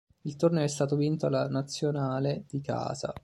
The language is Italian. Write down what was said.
Il torneo è stato vinto dalla nazionale di casa.